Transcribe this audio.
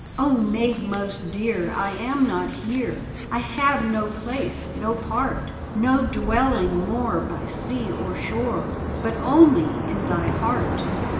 Ah, maid most dear, I am not here; I have no place, — no part, — No dwelling more by sea or shore, But only in thy heart."